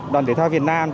đoàn thể thao việt nam